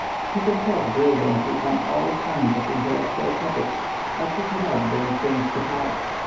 He can talk brilliantly on all kinds of intellectual topics, but he cannot bring things to pass.